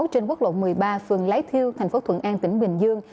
trên quốc lộ một mươi ba phường lái thiêu thành phố thuận an tỉnh bình dương